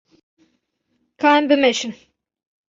Ka em bimeşin.